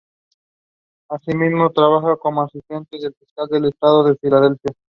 Asimismo, trabajó como asistente del fiscal del Estado en Filadelfia.